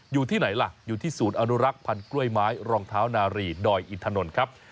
อยู่ที่ไหนล่ะอยู่ที่ศูนย์อนุรักษ์พันธุ์กล้วยไม้รองเท้านารีดอยอินถนนครับ